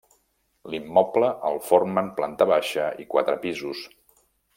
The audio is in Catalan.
L'immoble el formen planta baixa i quatre pisos.